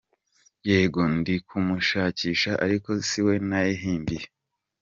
Yego ndikumushakisha ariko siwe nayihimbiye pe.